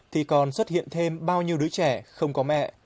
thì còn xuất hiện thêm bao nhiêu đứa trẻ không có mẹ